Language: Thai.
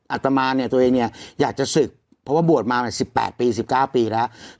อัตมาเนี่ยตัวเองเนี่ยอยากจะศึกเพราะว่าบวชมา๑๘ปี๑๙ปีแล้ว